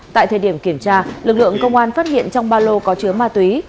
tại thời điểm kiểm tra lực lượng công an phát hiện trong ba lô có chứa ma túy